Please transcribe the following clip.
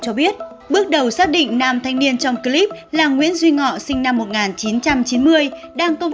cho biết bước đầu xác định nam thanh niên trong clip là nguyễn duy ngọ sinh năm một nghìn chín trăm chín mươi đang công